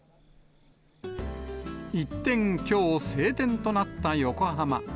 一転、きょう晴天となった横浜。